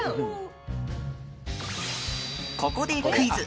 ここでクイズ。